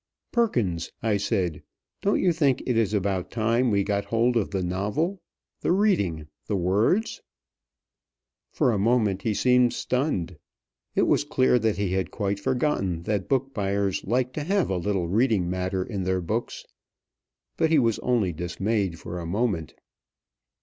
"Perkins," I said, "don't you think it is about time we got hold of the novel the reading, the words?" For a moment he seemed stunned. It was clear that he had quite forgotten that book buyers like to have a little reading matter in their books. But he was only dismayed for a moment.